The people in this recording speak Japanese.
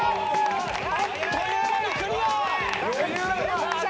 あっという間にクリア！